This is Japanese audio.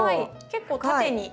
結構縦に。